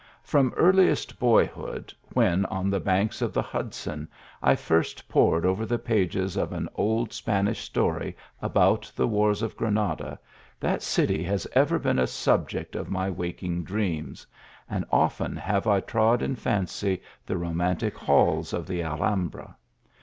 From earliest boyhood, when, on the banks of the Hudson, I first pored over the pages of an old Spanish story about the wars of Granada, that city has ever been a sub ject of my waking dreams, and oiten have 1 trod in fancy the romantic halls of the Alhambra.